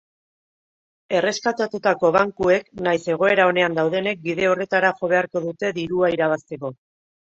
Erreskatatutako bankuek nahiz egoera onean daudenek bide horretara jo beharko dute dirua irabazteko.